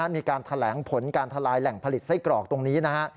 มีการแถลงผลการทลายแหล่งผลิตไส้กรอกตรงนี้นะฮะ